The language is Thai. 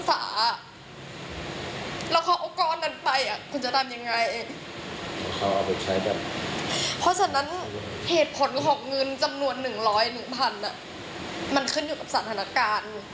เพราะฉะนั้นเหตุผลของเงินจำนวน๑๐๑๐๐บาทมันขึ้นอยู่กับสถานการณ์